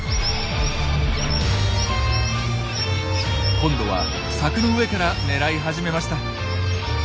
今度は柵の上から狙い始めました。